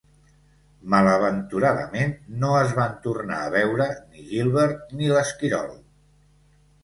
Malaventuradament, no es van tornar a veure ni Gilbert ni l'esquirol.